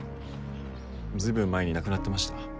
随分前に亡くなってました。